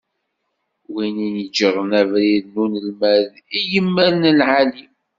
Win ineǧǧṛen abrid n unelmad i yimal n lεali.